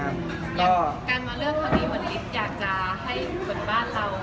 การมาเลือกความดีเหมือนฤทธิ์อยากจะให้คนบ้านเรา